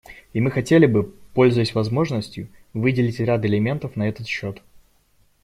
И мы хотели бы, пользуясь возможностью, выделить ряд элементов на этот счет.